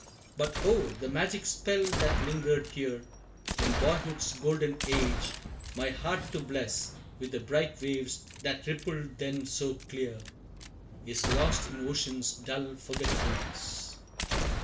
But oh! the magic spell that lingered here, In boyhood's golden age, my heart to bless, With the bright waves that rippled then so clear, Is lost in ocean's dull forgetfulness.